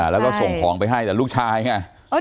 แล้วก็ส่งของไปให้แต่ลูกชายไง